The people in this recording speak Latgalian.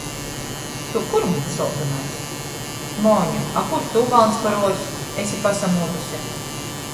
Tu kur, muns soldonais???... Moņa, a kur tu, valns paruovs, esi pasamūduse?...